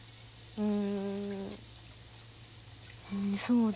うん。